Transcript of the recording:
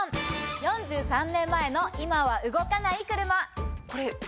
４３年前の今は動かない車。